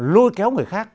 lôi kéo người khác